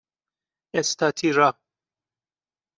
اِستاتیرا